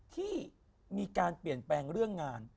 ที่มีการเปลี่ยนแปลงเรื่องงาน